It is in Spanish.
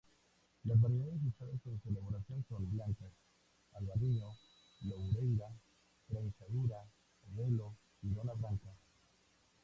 Las variedades usadas en su elaboración son: Blancas:Albariño, Loureira, Treixadura, Godello y Dona branca.